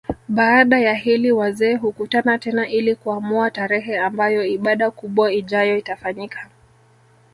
Baada ya hili wazee hukutana tena ili kuamua tarehe ambayo ibada kubwa ijayo itafanyika